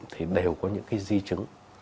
thì đều có những cái di chứng